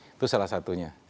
itu salah satunya